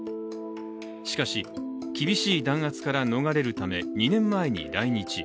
しかし厳しい弾圧から逃れるため２年前に来日。